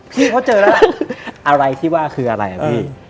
พี่เขาเจอแล้วอะไรที่ว่าคืออะไรอ่ะพี่